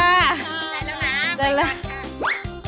สวัสดีครับ